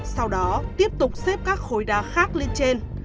sau đó tiếp tục xếp các khối đá khác lên trên